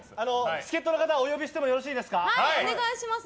助っ人の方お呼びしていいですか？